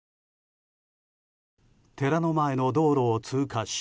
寺の前の道路を通過し。